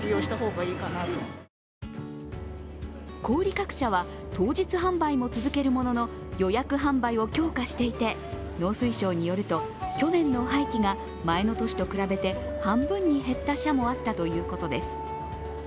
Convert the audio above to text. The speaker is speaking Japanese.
小売り各社は当日販売も続けるものの、予約販売を強化していて農水省によると去年の廃棄が前の年と比べて半分に減った社もあったということです。